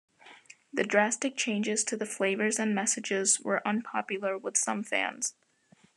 The drastic changes to the flavors and messages were unpopular with some fans.